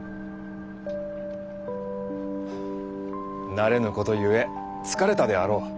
慣れぬことゆえ疲れたであろう。